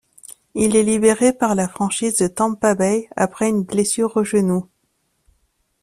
Il est libéré par la franchise de Tampa Bay après une blessure au genou.